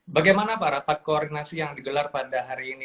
bagaimana pak rapat koordinasi yang digelar pada hari ini